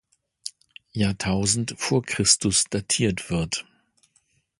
Jahrtausend vor Christus datiert wird.